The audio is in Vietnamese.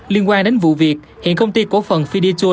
liên quan đến vụ việc hiện công ty cổ phần fiditcha